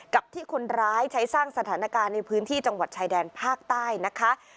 กับที่คนร้ายใช้สร้างสถานการณ์ในพื้นที่จังหวัดชายแดนภาคใต้นะคะ